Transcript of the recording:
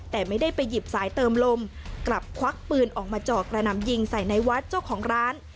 แต่ไม่ได้ไปหยิบสายเติมลมกลับควักปืนออกมาจ่อกระหน่ำยิงใส่ในวัดเจ้าของร้าน